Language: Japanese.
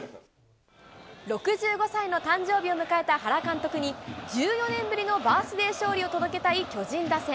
６５歳の誕生日を迎えた原監督に、１４年ぶりのバースデー勝利を届けたい巨人打線。